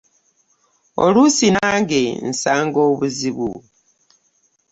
Oluusi nange nsanga obuzibu.